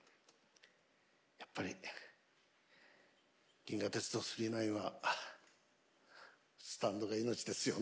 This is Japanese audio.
やっぱり「銀河鉄道９９９」はスタンドが命ですよね。